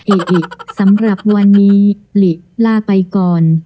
อิอิสำหรับวันนี้หลีลาไปก่อน